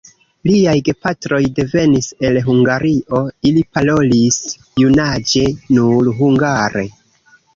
Liaj gepatroj devenis el Hungario, ili parolis junaĝe nur hungare.